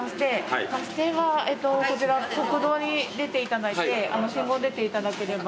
バス停はこちら国道に出ていただいて信号出ていただければ。